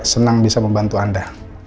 senang bisa membantu anda